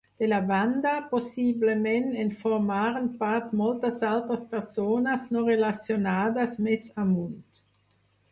De la banda, possiblement en formaren part moltes altres persones no relacionades més amunt.